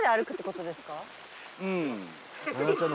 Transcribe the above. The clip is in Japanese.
うん。